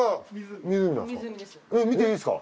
見ていいですか？